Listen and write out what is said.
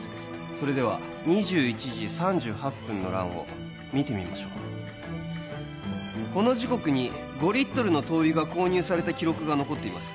それでは２１時３８分の欄を見てみましょうこの時刻に５リットルの灯油が購入された記録が残っています